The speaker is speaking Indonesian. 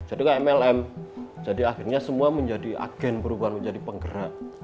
jadi mlm jadi akhirnya semua menjadi agen perubahan menjadi penggerak